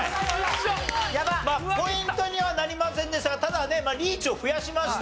まあポイントにはなりませんでしたがただねリーチを増やしました。